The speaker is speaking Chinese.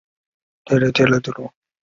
编剧之一的也已签约回归编剧。